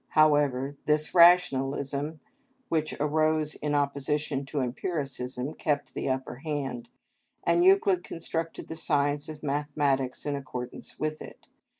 However, this rationalism, which arose in opposition to empiricism, kept the upper hand, and Euclid constructed the science of mathematics in accordance with it.